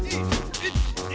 １２！